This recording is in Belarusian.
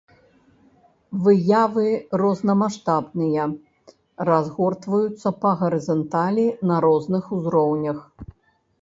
Выявы рознамаштабныя, разгортваюцца па гарызанталі на розных узроўнях.